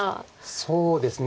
そうですね